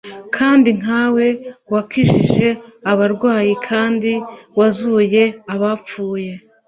kandi nkawe wakijije abarwayi kandi wazuye abapfuye